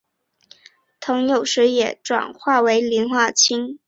膦有时也专指磷化氢。